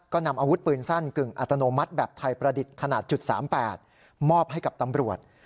ก็นำอาวุธปืนสั้นกึ่งอัตโนมัติแบบไทยประดิษฐ์ขนาด๓๘มอบให้กับตำรวจ